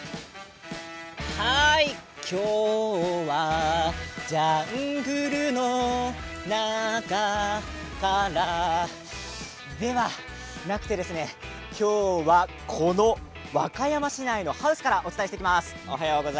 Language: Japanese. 「今日はジャングルの中から」ではなくて今日はこの和歌山市内のハウスからお伝えしていきます。